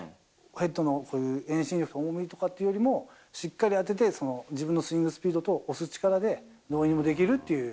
ヘッドのそういう遠心力や重みとかっていうよりも、しっかり当てて、自分のスイングスピードと押す力でどうにもできるっていう。